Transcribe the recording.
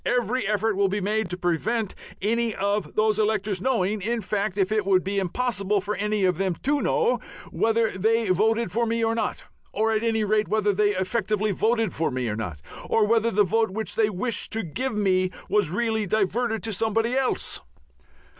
_Every effort will be made to prevent any of those electors knowing in fact, it would be impossible for any of them to know whether they voted for me or not, or at any rate whether they effectively voted for me or not, or whether the vote which they wished to give to me was really diverted to somebody else_."